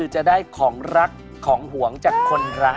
จะได้ของรักของห่วงจากคนรัก